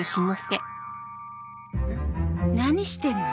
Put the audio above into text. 何してるの？